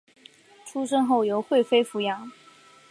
出生后由惠妃抚养。